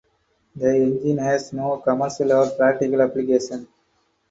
The engine has no commercial or practical application.